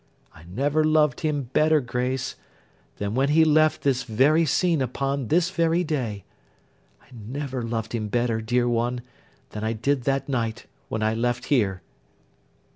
I never loved him better, Grace, than when he left this very scene upon this very day. I never loved him better, dear one, than I did that night when I left here.